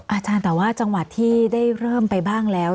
อาจารย์แต่ว่าจังหวัดที่ได้เริ่มไปบ้างแล้ว